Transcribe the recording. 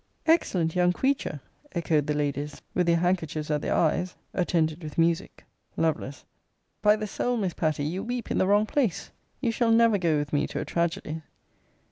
Excellent young creature! echoed the Ladies, with their handkerchiefs at their eyes, attended with music. Lovel. By my soul, Miss Patty, you weep in the wrong place: you shall never go with me to a tragedy.